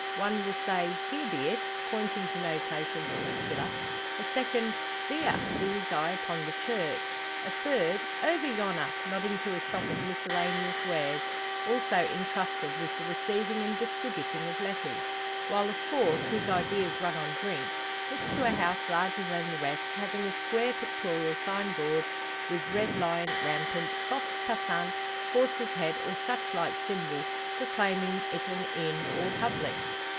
One will say "here be it," pointing to no place in particular; a second, "thear," with his eye upon the church; a third, "over yonner," nodding to a shop of miscellaneous wares, also intrusted with the receiving and distributing of letters; while a fourth, whose ideas run on drink, looks to a house larger than the rest, having a square pictorial signboard, with red lion rampant, fox passant, horse's head, or such like symbol proclaiming it an inn, or public.